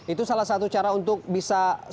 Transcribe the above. itu salah satu cara untuk bisa